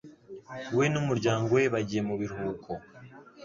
We n’ Umuryango we bagiye mu biruhuko